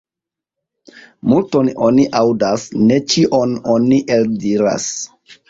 Multon oni aŭdas, ne ĉion oni eldiras.